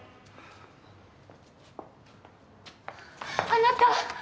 あなた！